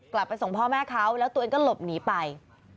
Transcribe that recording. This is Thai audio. กลับไปส่งพ่อแม่เขาแล้วตัวเองก็หลบหนีไป